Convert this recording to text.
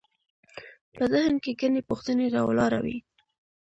په ذهن کې ګڼې پوښتنې راولاړوي.